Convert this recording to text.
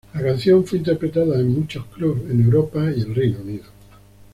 La canción fue interpretada en muchos clubs en Europa y el Reino Unido.